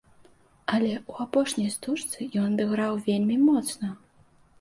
Але ў апошняй стужцы ён адыграў вельмі моцна.